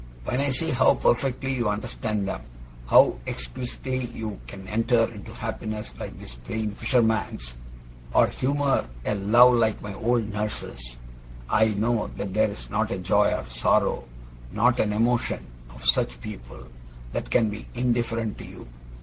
When I see how perfectly you understand them, how exquisitely you can enter into happiness like this plain fisherman's, or humour a love like my old nurse's, I know that there is not a joy or sorrow, not an emotion, of such people, that can be indifferent to you.